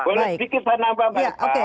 boleh dikisar nambah pak eva